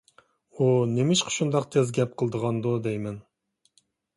ئۇ نېمىشقا شۇنداق تېز گەپ قىلىدىغاندۇ دەيمەن؟